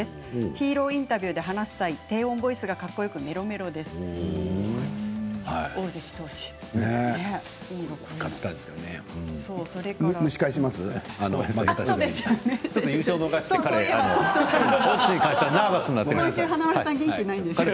ヒーローインタビューで話す際低音ボイスがかっこよく蒸し返しますか。